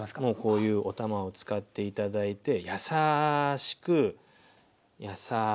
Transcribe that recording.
こういうお玉を使って頂いて優しく優しく。